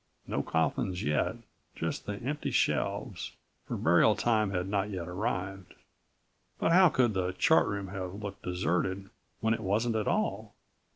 No coffins yet, just the empty shelves, for burial time had not yet arrived. But how could the Chart Room have looked deserted, when it wasn't at all?